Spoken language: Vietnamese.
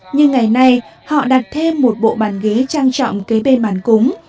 như ngày nay họ đặt thêm một bộ bàn ghế trang trọng kế bên bàn cúng